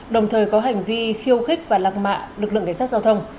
đồng thời có hành vi khiêu khích và lạc mạ lực lượng cảnh sát giao thông